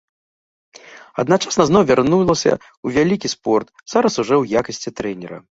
Адначасна зноў вярнулася ў вялікі спорт, зараз ужо ў якасці трэнера.